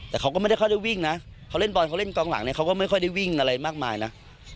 แต่เขาก็ไม่ได้ค่อยได้วิ่งนะเขาเล่นบอลเขาเล่นกองหลังเนี่ยเขาก็ไม่ค่อยได้วิ่งอะไรมากมายนะ